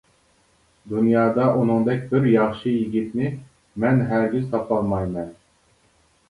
دۇنيادا ئۇنىڭدەك بىر ياخشى يىگىتنى مەن ھەرگىز تاپالمايمەن.